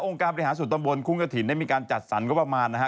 องค์การบริหารสุดต้นบนคุ้งกระถิ่นได้มีการจัดสรรก็ประมาณนะฮะ